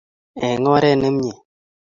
eng oret nemiee